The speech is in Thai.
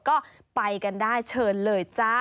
ก็ไปกันได้เชิญเลยจ้า